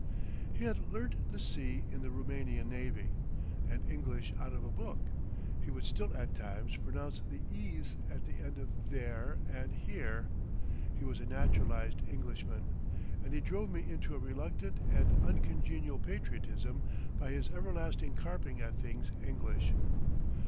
He had learnt the sea in the Roumanian navy, and English out of a book; he would still at times pronounce the e's at the end of "there" and "here"; he was a naturalised Englishman, and he drove me into a reluctant and uncongenial patriotism by his everlasting carping at things English.